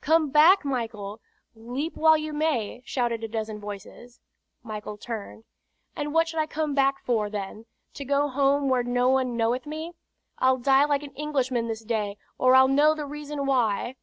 "Come back, Michael! Leap while you may!" shouted a dozen voices. Michael turned: "And what should I come back for, then, to go home where no one knoweth me? I'll die like an Englishman this day, or I'll know the reason why!"